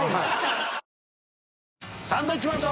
サンドウィッチマンと。